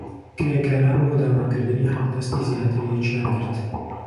کرێکاران بۆ داواکردنی حەقدەستی زیاتر یەکیان گرت.